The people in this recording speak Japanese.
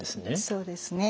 そうですね